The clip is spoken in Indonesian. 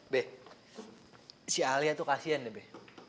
be si alia tuh kasihan deh be